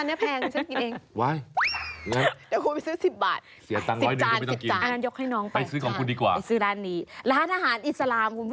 ร้อยหนึ่งอืมร้อยหนึ่ง